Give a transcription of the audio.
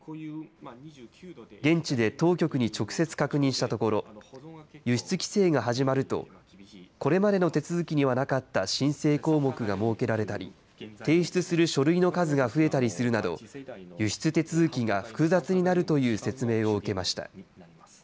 現地で当局に直接確認したところ、輸出規制が始まると、これまでの手続きにはなかった申請項目が設けられたり、提出する書類の数が増えたりするなど、輸出手続きが複雑になるという説明を受けました。